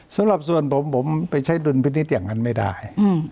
สำหรับส่วนผมผมไปใช้ดุลพินิษฐ์อย่างนั้นไม่ได้